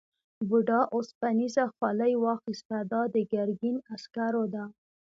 بوډا اوسپنيزه خولۍ واخیسته دا د ګرګین عسکرو ده.